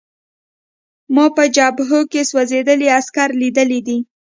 ما په جبهو کې سوځېدلي عسکر لیدلي دي